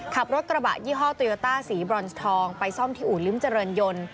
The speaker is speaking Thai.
ขับรถกระบะยี่ห้อโตโยต้าสีบรอนทองไปซ่อมที่อู่ลิ้มเจริญยนต์